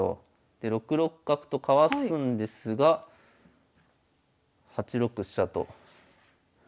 で６六角とかわすんですが８六飛車と。